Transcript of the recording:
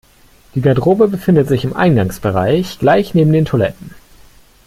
Die Garderobe befindet sich im Eingangsbereich, gleich neben den Toiletten.